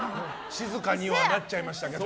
静かにはなっちゃいましたけど。